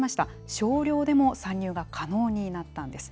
少量でも参入が可能になったんです。